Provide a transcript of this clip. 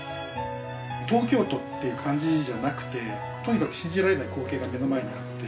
東京都っていう感じじゃなくてとにかく信じられない光景が目の前にあって。